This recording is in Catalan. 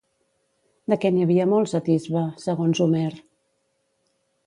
De què n'hi havia molts, a Tisbe, segons Homer?